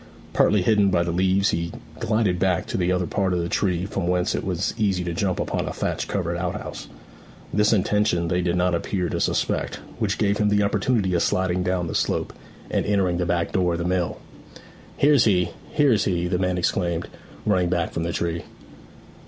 Partly hidden by the leaves he glided back to the other part of the tree, from whence it was easy to jump upon a thatch covered out house. This intention they did not appear to suspect, which gave him the opportunity of sliding down the slope and entering the back door of the mill. 'He's here, he's here!' the men exclaimed, running back from the tree.